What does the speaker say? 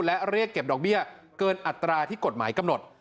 และเรียกเก็บดอกเบี้ยเกินอัตราที่กฎหมายกำหนด